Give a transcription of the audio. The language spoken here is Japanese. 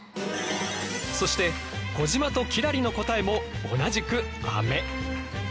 そして小島と輝星の答えも同じく「あめ」。